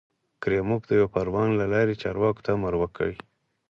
کریموف د یوه فرمان له لارې چارواکو ته امر وکړ.